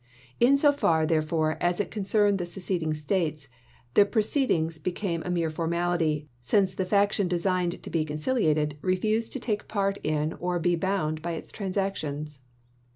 In so far, therefore, as it concerned the seceding States, the proceedings be came a mere formality, since the faction designed to be conciliated refused to take part in or to be bound by its transactions.